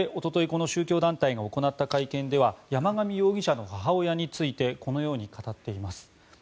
この宗教団体が行った会見では山上容疑者の母親についてこのように語っています。